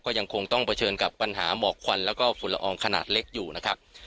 ก็ยังคงต้องเผชิญกับปัญหาหมอกควันแล้วก็ฝุ่นละอองขนาดเล็กอยู่นะครับ